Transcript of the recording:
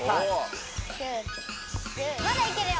まだいけるよ。